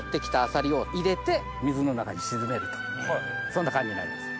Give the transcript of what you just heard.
そんな感じになります。